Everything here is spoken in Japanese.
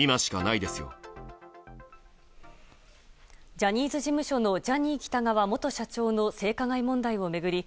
ジャニーズ事務所のジャニー喜多川元社長の性加害問題を巡り